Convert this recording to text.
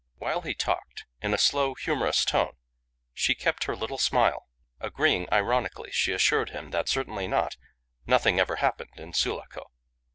While he talked in a slow, humorous tone, she kept her little smile. Agreeing ironically, she assured him that certainly not nothing ever happened in Sulaco.